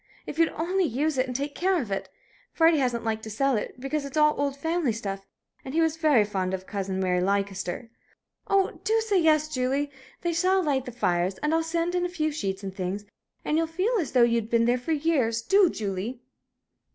If you'd only use it and take care of it; Freddie hasn't liked to sell it, because it's all old family stuff, and he was very fond of Cousin Mary Leicester. Oh, do say yes, Julie! They shall light the fires, and I'll send in a few sheets and things, and you'll feel as though you'd been there for years. Do, Julie!"